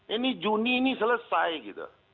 ini juni ini selesai gitu